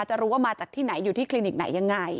จะรู้ว่ามาจากที่ไหนอยู่ที่คลินิกไหนยังไง